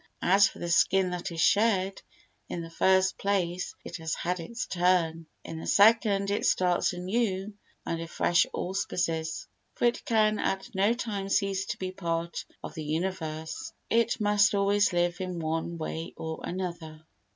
As for the skin that is shed, in the first place it has had its turn, in the second it starts anew under fresh auspices, for it can at no time cease to be part of the universe, it must always live in one way or another.